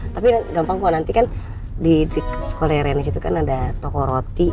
tapi gampang kok nanti kan di sekolah yang lain disitu kan ada toko roti